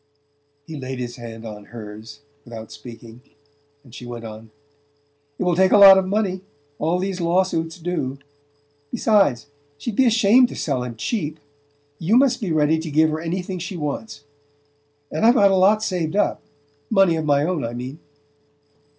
He laid his hand on hers without speaking, and she went on: "It will take a lot of money: all these law suits do. Besides, she'd be ashamed to sell him cheap. You must be ready to give her anything she wants. And I've got a lot saved up money of my own, I mean..."